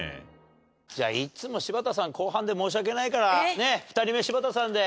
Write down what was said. じゃあいつも柴田さん後半で申し訳ないから２人目柴田さんで。